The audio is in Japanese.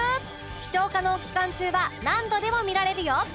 視聴可能期間中は何度でも見られるよ！